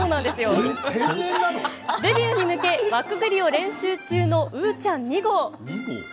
デビューに向け、輪くぐりを練習中のウーちゃん２号。